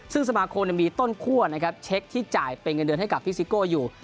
ซึ่งสมาคมมีต้นคั่วนะครับเช็คที่จ่ายเป็นเงินเดือนให้กับพี่ซิโก้อยู่